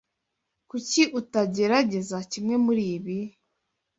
Kuki utagerageza kimwe muribi?